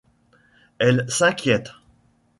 Elle s'inquiète.